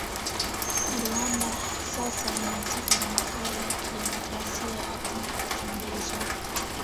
Rwanda sasa inataka jamuhuri ya kidemokrasia ya Kongo kuchunguzwa